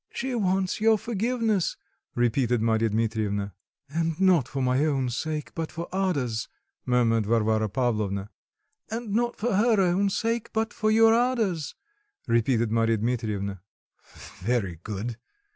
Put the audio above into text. "She wants your forgiveness," repeated Marya Dmitrievna. "And not for my own sake, but for Ada's," murmured Varvara Pavlovna. "And not for her own sake, but for your Ada's," repeated Marya Dmitrievna. "Very good.